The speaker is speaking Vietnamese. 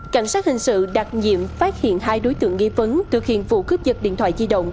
cảnh sát hình sự đặc nhiệm phát hiện hai đối tượng nghi vấn thực hiện vụ cướp dật điện thoại di động